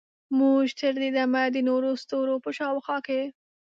موږ تر دې دمه د نورو ستورو په شاوخوا کې